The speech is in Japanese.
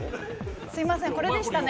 すいませんこれでしたね。